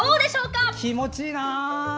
気持ちいいな！